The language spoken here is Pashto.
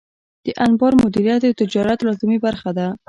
د انبار مدیریت د تجارت لازمي برخه ده.